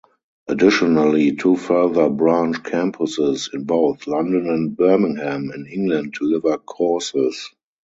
Additionally, two further branch campuses in both London and Birmingham in England deliver courses.